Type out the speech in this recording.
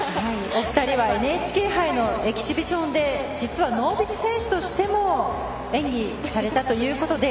お二人はＮＨＫ杯のエキシビションで実はノービス選手としても演技されたということで。